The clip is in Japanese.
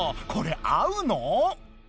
これ合うの⁉